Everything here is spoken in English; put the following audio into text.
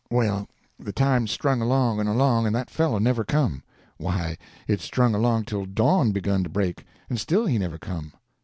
"Well, the time strung along and along, and that fellow never come! Why, it strung along till dawn begun to break, and still he never come.